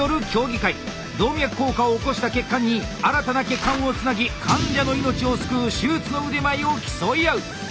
動脈硬化を起こした血管に新たな血管をつなぎ患者の命を救う手術の腕前を競い合う！